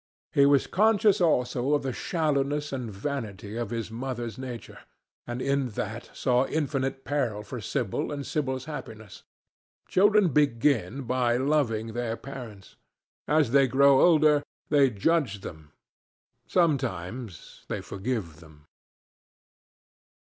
He was conscious also of the shallowness and vanity of his mother's nature, and in that saw infinite peril for Sibyl and Sibyl's happiness. Children begin by loving their parents; as they grow older they judge them; sometimes they forgive them.